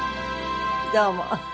どうも。